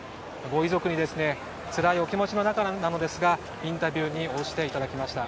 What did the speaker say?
ご遺族につらいお気持ちの中ですがインタビューに応じていただきました。